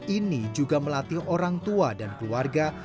ini juga melatih orang tua dan keluarga